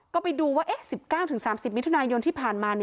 ก็ไปดูว่า๑๙๓๐มิถุนายนที่ผ่านมา